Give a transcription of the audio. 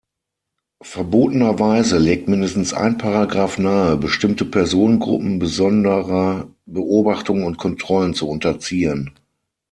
Verbotenerweise legt mindestens ein Paragraf nahe, bestimmte Personengruppen besonderer Beobachtung und Kontrollen zu unterziehen.